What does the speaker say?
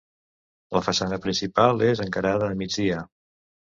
La façana principal és encarada a migdia.